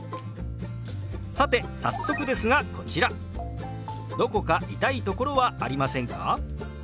さて早速ですがこちら「どこか痛いところはありませんか？」。